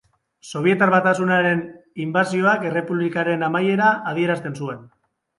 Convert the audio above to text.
Sobietar Batasunaren inbasioak errepublikaren amaiera adierazi zuen.